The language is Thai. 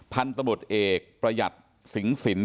พรรณบทเอกประหยักษณ์ศิงสินทร์